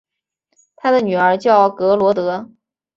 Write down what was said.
他的女儿叫格萝德。